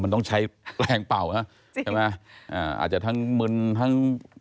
ต้องใช้แรงเป่าใช่ไหมอ่าอาจจะทั้งมึน